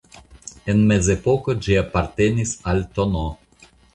En mezepoko ĝi apartenis al tn.